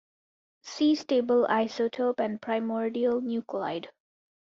See stable isotope and primordial nuclide.